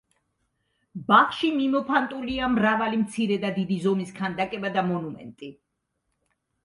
ბაღში მიმოფანტულია მრავალი მცირე და დიდი ზომის ქანდაკება და მონუმენტი.